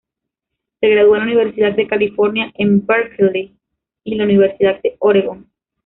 Se graduó en la Universidad de California en Berkeley y la Universidad de Oregon.